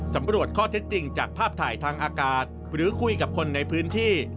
สำรวจข้อเท็จจริงจากภาพถ่ายทางอากาศหรือคุยกับคนในพื้นที่